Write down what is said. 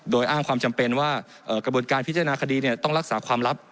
โดยอ้างความจำเป็นว่ากระบวนการพิจารณาคดีต้องรักษาความลับ